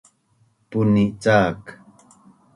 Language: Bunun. Puni cak